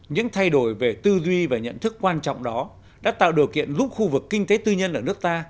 những thay đổi về tư duy và nhận thức quan trọng đó đã tạo điều kiện giúp khu vực kinh tế tư nhân ở nước ta